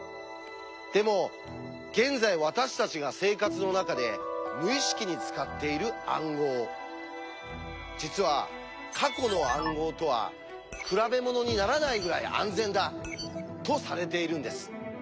でも現在私たちが生活の中で無意識に使っている暗号実は過去の暗号とは比べ物にならないぐらい安全だ！とされているんです。